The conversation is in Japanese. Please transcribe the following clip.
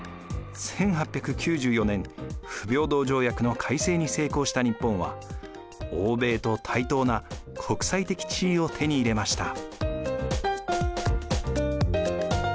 １８９４年不平等条約の改正に成功した日本は欧米と対等な国際的地位を手に入れました。